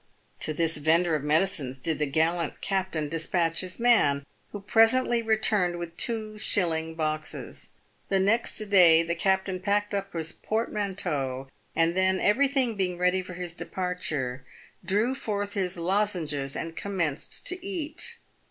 To this vendor of medicines did the gallant captain despatch his man, who presently returned with two shilling boxes. The next day the captain packed up his portmanteau, and then, everything being ready for his departure, drew forth his lozenges and commenced to eat.